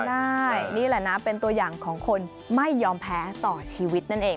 ได้นี่แหละนะเป็นตัวอย่างของคนไม่ยอมแพ้ต่อชีวิตนั่นเอง